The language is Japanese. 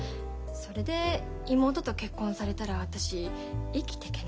それで妹と結婚されたら私生きてけないよ。